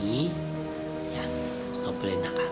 ya gak boleh nakal